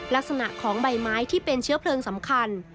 ลักษณะของใบไม้ที่เป็นเชื้อเพลิงสำคัญ